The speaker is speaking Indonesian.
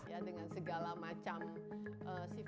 ya dengan segala macam sifatnya